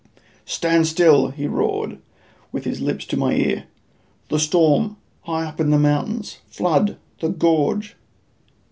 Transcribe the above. "Stand still," he roared, with his lips to my ear. "The storm high up the mountains flood the gorge."